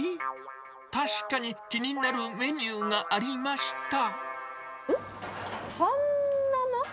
確かに気になるメニューがありました。